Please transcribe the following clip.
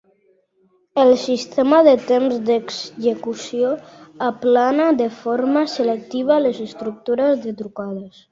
El sistema de temps d'execució aplana de forma selectiva les estructures de trucades.